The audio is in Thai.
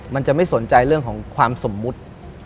มันจะไม่สนใจเรื่องของความสมมุติ